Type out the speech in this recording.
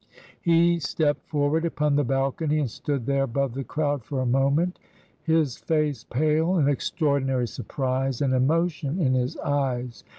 He stepped forward upon the balcony and stood there above the crowd for a moment, his face pale, an extraor dinary surprise and emotion in his eyes.